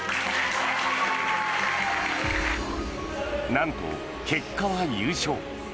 なんと、結果は優勝。